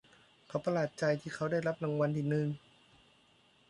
เขาประหลาดใจที่เขาได้รับรางวัลที่หนึ่ง